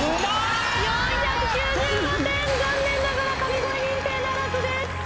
４９５点、残念ながら神声認定ならずです。